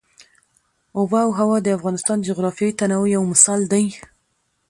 آب وهوا د افغانستان د جغرافیوي تنوع یو مثال دی.